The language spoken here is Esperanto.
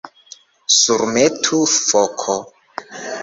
Surmetu, foko!